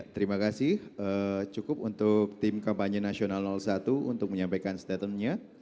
terima kasih cukup untuk tim kampanye nasional satu untuk menyampaikan statementnya